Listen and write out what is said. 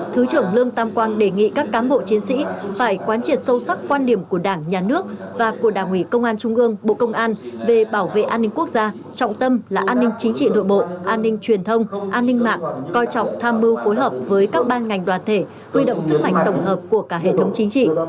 thứ trưởng lương tam quang đề nghị các cám bộ chiến sĩ phải quán triệt sâu sắc quan điểm của đảng nhà nước và của đảng ủy công an trung gương bộ công an về bảo vệ an ninh quốc gia trọng tâm là an ninh chính trị nội bộ an ninh truyền thông an ninh mạng coi trọng tham mưu phối hợp với các ban ngành đoàn thể huy động sức mạnh tổng hợp của cả hệ thống chính trị